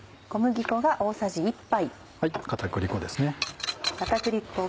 片栗粉ですね。